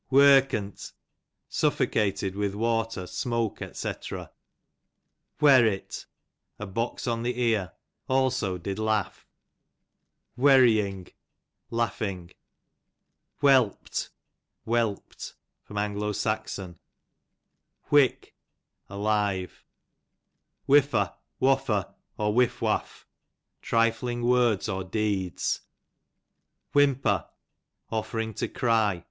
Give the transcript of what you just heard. Wherkn't, suffocated with water, smoke, Sc. Wherrit, a box on the ear; also did laugh. Wherrying, laughing. Whelpt, whelped. A. S. Whick, alive. Whiffo Whaflfo, or whiff whaflf, trifling words or deeds. Whimpei , offering to cry.